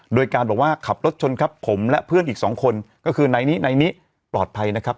โดยการบอกว่าขับรถชนครับผมและเพื่อนอีกสองคนก็คือนายนี้ในนี้ปลอดภัยนะครับ